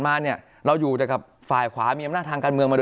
คุณรู้เปล่าว่าคอมมินิสฆ่าคนตายเท่าไร